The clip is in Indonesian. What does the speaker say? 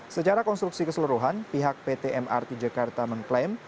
secara konstruksi keseluruhan pihak pt mrt jakarta mengklaim